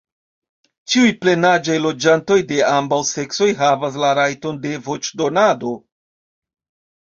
Ĉiuj plenaĝaj loĝantoj de ambaŭ seksoj havas la rajton de voĉdonado.